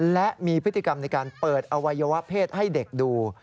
และมีพฤติกรรมในการเปิดอวัยวะเพศให้เด็กดู